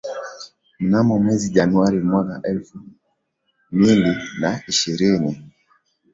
Mnamo mwezi Januari mwaka elfu mili na ishirini